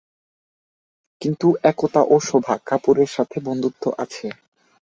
কিন্তু একতা ও শোভা কাপুরের সাথে তার বন্ধুত্ব আছে।